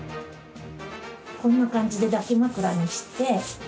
こんな感じで抱き枕にして